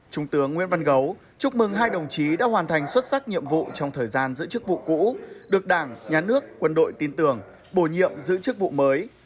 trung tướng nguyễn văn gấu chúc mừng hai đồng chí đã hoàn thành xuất sắc nhiệm vụ trong thời gian giữ chức vụ cũ được đảng nhà nước quân đội tin tưởng bổ nhiệm giữ chức vụ mới